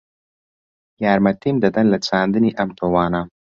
یارمەتیم دەدەن لە چاندنی ئەم تۆوانە؟